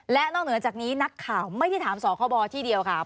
และนอกเหนือจากนี้นักข่าวไม่ได้ถามสคบที่เดียวค่ะ